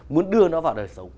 muốn đưa nó vào đời sống